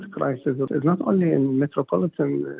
tidak hanya di kota kota metropolitan